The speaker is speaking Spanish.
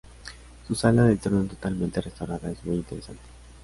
Su sala del trono totalmente restaurada es muy interesante".